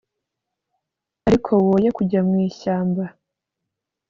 ariko woye kujya mu ishyamba